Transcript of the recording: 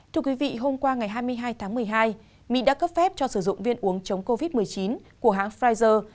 thưa quý vị hôm qua ngày hai mươi hai tháng một mươi hai mỹ đã cấp phép cho sử dụng viên uống chống covid một mươi chín của hãng pfizer